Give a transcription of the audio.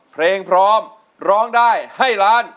เพลงพร้อมร้องได้ให้ล้าน